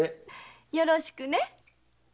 よろしくね。